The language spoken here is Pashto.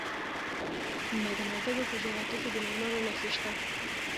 د میدان وردګو په جغتو کې د مرمرو نښې شته.